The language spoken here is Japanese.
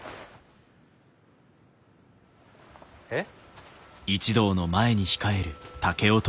えっ？